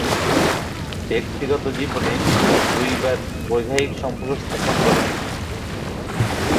ব্যক্তিগত জীবনে দুইবার বৈবাহিক সম্পর্ক স্থাপন করেন।